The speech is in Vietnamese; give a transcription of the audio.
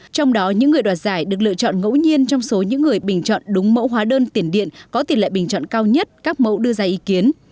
trong đó những người đoạt giải được lựa chọn ngẫu nhiên trong số những người bình chọn đúng mẫu hóa đơn tiền điện có tiền lệ bình chọn cao nhất các mẫu đưa ra ý kiến